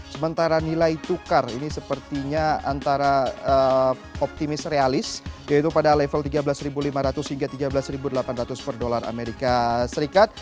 sementara nilai tukar ini sepertinya antara optimis realis yaitu pada level tiga belas lima ratus hingga tiga belas delapan ratus per dolar amerika serikat